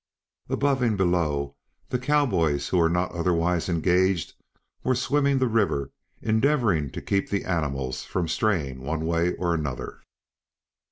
Above and below, the cowboys who were not otherwise engaged were swimming the river endeavoring to keep the animals from straying one way or another.